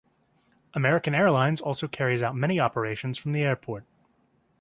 American Airlines also carries out many operations from the airport.